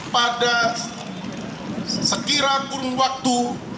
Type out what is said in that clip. pada sekiranya kurang waktu